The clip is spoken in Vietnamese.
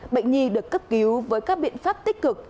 bệnh nhi được cấp cứu với các biện pháp tích cực